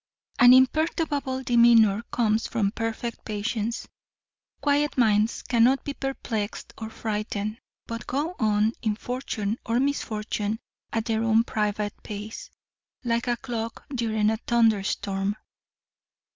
An imperturbable demeanour comes from perfect patience. Quiet minds cannot be perplexed or frightened, but go on in fortune or misfortune at their own private pace, like a clock during a thunderstorm.